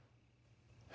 え。